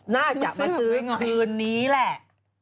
น่าจะมาซื้อคืนนี้แหละ